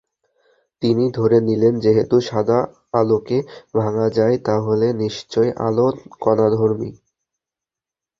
তিনি ধরে নিলেন যেহেতু সাদা আলোকে ভাঙা যায়, তাহলে নিশ্চয় আলো কণাধর্মী।